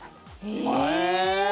へえ！